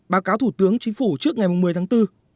báo cáo thủ tướng chính phủ trước ngày một mươi tháng bốn